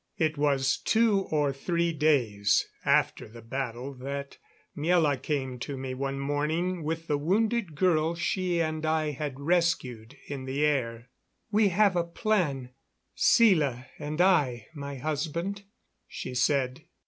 It was two or three days after the battle that Miela came to me one morning with the wounded girl she and I had rescued in the air. "We have a plan Sela and I my husband," she said.